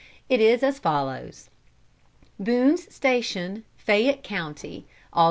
It is as follows: "Boone's Station, Fayette Co., Aug.